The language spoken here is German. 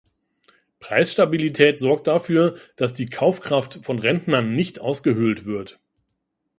Preisstabilität sorgt dafür, dass die Kaufkraft von Rentnern nicht ausgehöhlt wird.